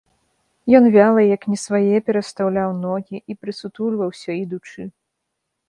Ён вяла, як не свае, перастаўляў ногі і прысутульваўся ідучы.